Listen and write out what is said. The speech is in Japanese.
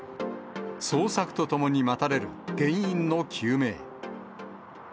捜索とともに待たれる原因の究明。